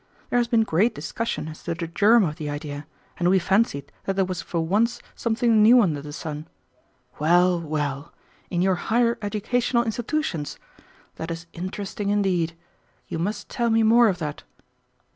There has been great discussion as to the germ of the idea, and we fancied that there was for once something new under the sun. Well! well! In your higher educational institutions! that is interesting indeed. You must tell me more of that."